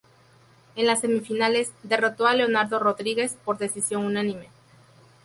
En las semifinales, derrotó a Leonardo Rodríguez por decisión unánime.